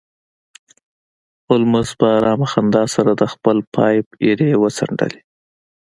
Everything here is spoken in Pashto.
هولمز په ارامه خندا سره د خپل پایپ ایرې وڅنډلې